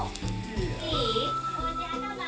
いい？